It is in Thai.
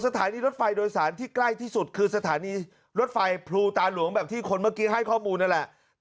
สถานีรถไฟโดยสารที่ใกล้ที่สุดคือสถานีรถไฟภูตาหลวงแบบที่คนเมื่อกี้ให้ข้อมูลหน้าแหละแต่อยู่ที่ซัตไฮีป